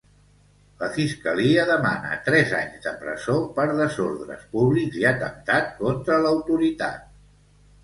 La Fiscalia demana tres anys de presó per desordres públics i atemptat contra l'autoritat.